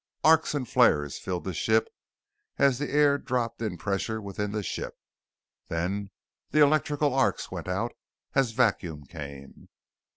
Arcs and flares filled the ship as the air dropped in pressure within the ship, then the electrical arcs went out as vacuum came.